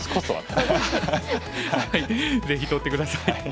ぜひ取って下さい。